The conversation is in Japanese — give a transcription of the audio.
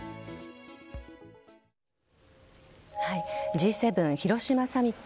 Ｇ７広島サミット